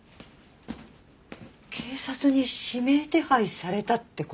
警察に指名手配されたって事？